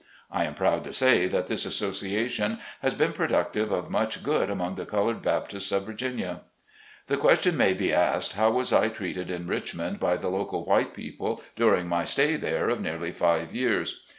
I am proud to say that this Association has been productive of much good among the colored Baptists of Virginia. The question may be asked, how was I treated in Richmond by the local white people during my stay there of nearly five years